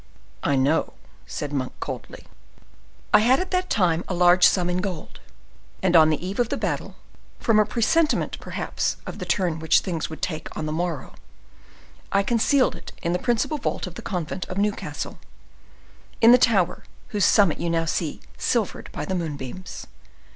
"I know," said Monk, coldly. "I had at that time a large sum in gold, and on the eve of the battle, from a presentiment perhaps of the turn which things would take on the morrow, I concealed it in the principal vault of the covenant of Newcastle, in the tower whose summit you now see silvered by the moonbeams.